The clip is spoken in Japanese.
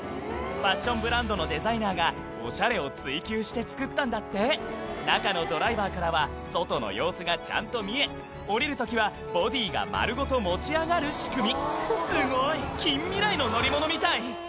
ファッションブランドのデザイナーがおしゃれを追求して造ったんだって中のドライバーからは外の様子がちゃんと見え降りる時はボディーが丸ごと持ち上がる仕組みすごい！近未来の乗り物みたい！